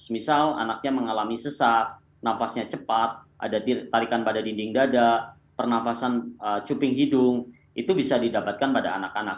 misal anaknya mengalami sesak nafasnya cepat ada tarikan pada dinding dada pernafasan cuping hidung itu bisa didapatkan pada anak anak